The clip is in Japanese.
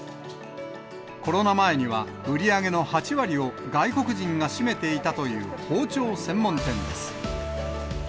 コロナ前には売り上げの８割を外国人が占めていたという包丁専門店です。